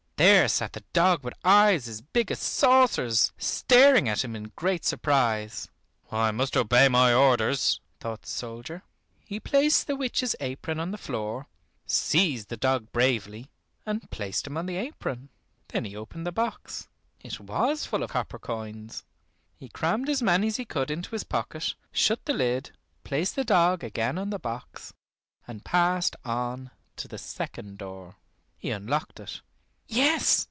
There sat the dog with eyes as big as saucers, staring at him in great surprise. "I must obey my orders," thought the soldier. He placed the witch's apron on the floor, seized the dog bravely, and placed him on the apron. Then he opened the box. It was full of copper coins. He crammed as many as he could into his pocket, shut the lid, placed the dog again on the box, and passed on to the second door. He unlocked it. Yes!